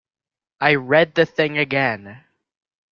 I read the thing again.